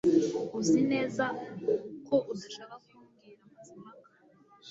Uzi neza ko udashaka ko mbwira Mazimpaka